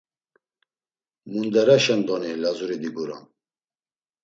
Munderaşen doni Lazuri diguram?